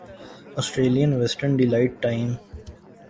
Australian western daylight time